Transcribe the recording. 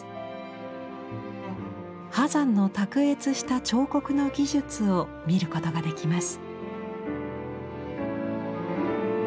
波山の卓越した彫刻の技術を見ることができます。